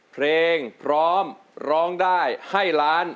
เพลงพร้อมร้องได้ให้ล้าน